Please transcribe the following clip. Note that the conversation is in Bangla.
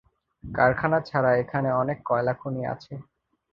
কারখানা ছাড়া এখানে অনেক কয়লাখনি আছে।